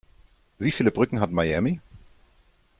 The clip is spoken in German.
Wie viele Brücken hat Miami?